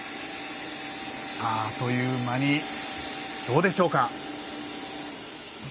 あっという間にどうでしょうか。